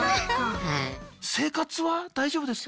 生活は大丈夫ですか？